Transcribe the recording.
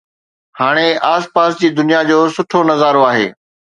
هاڻي آس پاس جي دنيا جو سٺو نظارو آهي